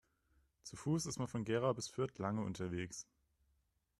Zu Fuß ist man von Gera bis Fürth lange unterwegs